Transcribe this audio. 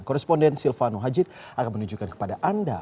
koresponden silvano hajid akan menunjukkan kepada anda